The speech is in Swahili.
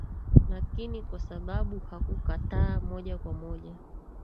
Lakini kwa sababu hakukataa moja kwa moja